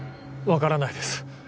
分からないです。